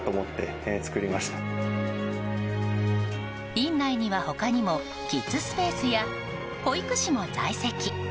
院内には他にもキッズスペースや保育士も在籍。